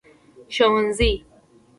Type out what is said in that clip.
ښوونځي